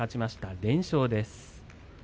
連勝です。